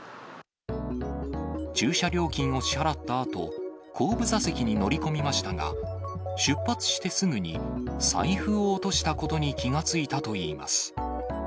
駐車料金を支払ったあと、後部座席に乗り込みましたが、出発してすぐに財布を落としたことに気が付いたといいます。